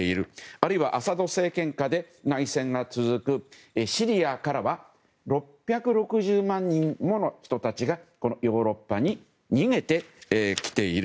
あるいはアサド政権下で内戦が続くシリアからは６６０万人もの人たちがヨーロッパに逃げてきている。